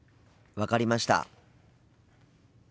分かりました。